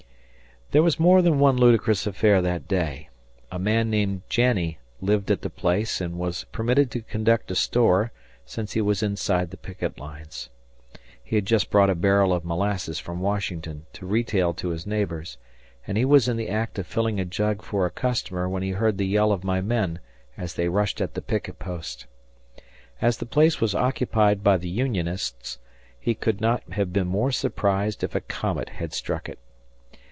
There was more than one ludicrous affair that day. A man named Janney lived at the place and was permitted to conduct a store since he was inside the picket lines. He had just brought a barrel of molasses from Washington to retail to his neighbors, and he was in the act of filling a jug for a customer when he heard the yell of my men as they rushed at the picket post. As the place was occupied by the Unionists, he could not have been more surprised if a comet had struck it.